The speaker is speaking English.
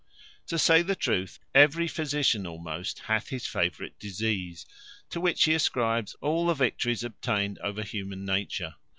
To say the truth, every physician almost hath his favourite disease, to which he ascribes all the victories obtained over human nature.